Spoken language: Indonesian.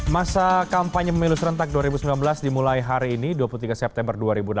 masa kampanye pemilu serentak dua ribu sembilan belas dimulai hari ini dua puluh tiga september dua ribu delapan belas